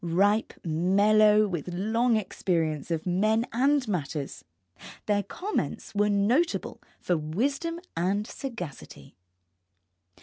Ripe, mellow with long experience of men and matters, their comments were notable for wisdom and sagacity.